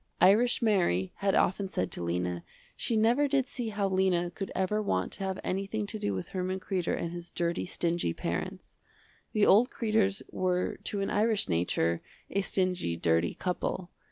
Irish Mary had often said to Lena she never did see how Lena could ever want to have anything to do with Herman Kreder and his dirty stingy parents. The old Kreders were to an Irish nature, a stingy, dirty couple.